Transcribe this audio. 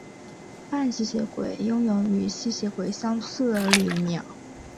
半吸血鬼拥有与吸血鬼相似的力量。